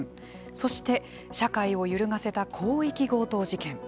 そして社会を揺るがせた広域強盗事件。